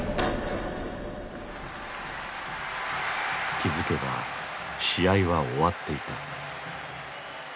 気付けば試合は終わっていた。